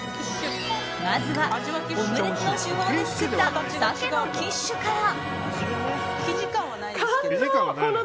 まずは、オムレツの手法で作った鮭のキッシュから。